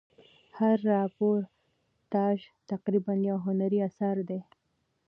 هر راپورتاژ تقریبآ یو هنري اثر دئ.